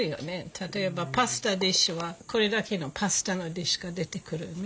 例えばパスタディッシュはこれだけのパスタのディッシュが出てくるね。